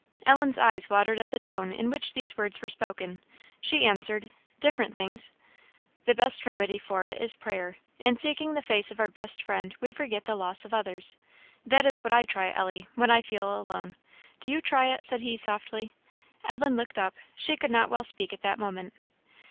Ellen's eyes watered at the tone in which these words were spoken; she answered "Different things." "The best remedy for it is prayer. In seeking the face of our best Friend we forget the loss of others. That is what I try, Ellie, when I feel alone; do you try it?" said he, softly. Ellen looked up; she could not well speak at that moment.